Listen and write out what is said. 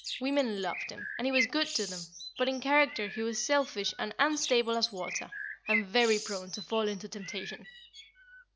Women loved him, and he was good to them; but in character he was selfish and unstable as water, and very prone to fall into temptation.